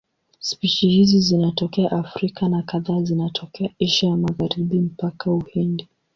Spishi hizi zinatokea Afrika na kadhaa zinatokea Asia ya Magharibi mpaka Uhindi.